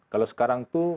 kalau sekarang itu